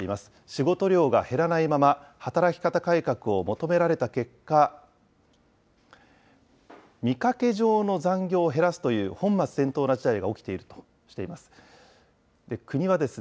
仕事量が減らないまま、働き方改革を求められた結果、見かけ上の残業を減らすという本末転倒な事態が起きているとしています。